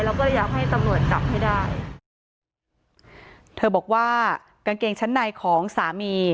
แล้วก็เลยอยากให้ตำรวจจับให้ได้เธอบอกว่ากางเกงชั้นในของสามี